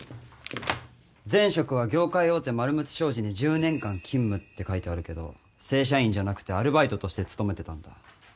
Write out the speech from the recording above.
前職は業界大手丸睦商事に１０年間勤務って書いてあるけど正社員じゃなくてアルバイトとして勤めてたんだ。